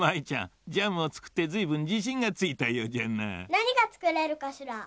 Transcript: なにがつくれるかしら？